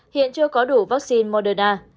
hiện chưa có đủ vaccine moderna